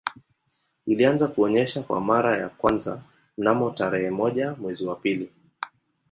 Ilianza kuonesha kwa mara ya kwanza mnamo tarehe moja mwezi wa pili